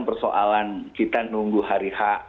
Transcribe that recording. persoalan kita nunggu hari h